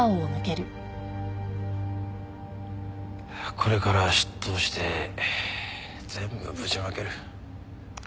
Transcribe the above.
これから出頭して全部ぶちまける。